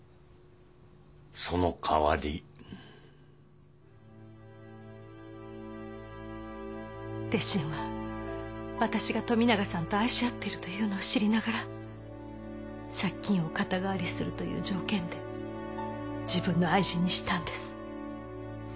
その代わり鉄心は私が富永さんと愛し合ってるというのを知りながら借金を肩代わりするという条件で自分の愛人にしたんです。